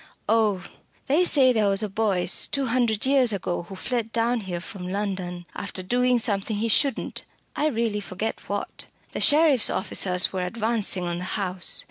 "Oh! they say there was a Boyce two hundred years ago who fled down here from London after doing something he shouldn't I really forget what. The sheriff's officers were advancing on the house.